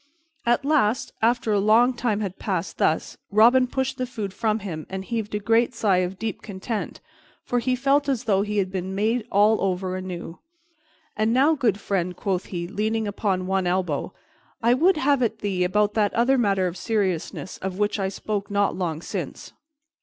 At last, after a long time had passed thus, Robin pushed the food from him and heaved a great sigh of deep content, for he felt as though he had been made all over anew. "And now, good friend," quoth he, leaning upon one elbow, "I would have at thee about that other matter of seriousness of which I spoke not long since."